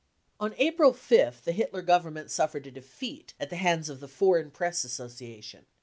55 On April 5th the Hitler Government suffered a defeat at the hands of the Foreign Press Association.